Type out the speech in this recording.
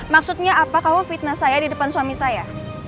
maksudnya apa kamu fitnah saya di depan suami saya